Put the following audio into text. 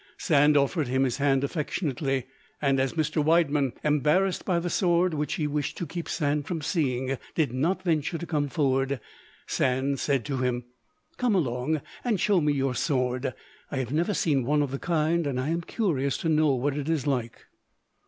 Sand offered him his hand affectionately; and as Mr. Widemann, embarrassed by the sword which he wished to keep Sand from seeing, did not venture to come forward, Sand said to him, "Come along and show me your sword; I have never seen one of the kind, and am curious to know what it is like."